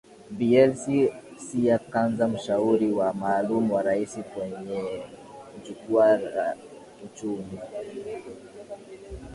Bi Elsie Sia Kanza Mshauri wa Maalum wa rais kwenye jukwaa la Uchumi duniani